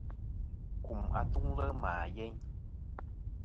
Kum atuŋlɨ ma yeyn.